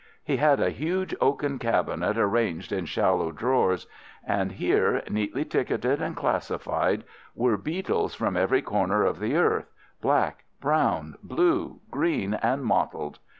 He had a huge oaken cabinet arranged in shallow drawers, and here, neatly ticketed and classified, were beetles from every corner of the earth, black, brown, blue, green, and mottled.